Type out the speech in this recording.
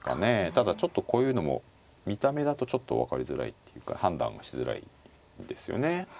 ただちょっとこういうのも見た目だとちょっと分かりづらいっていうか判断はしづらいですよね。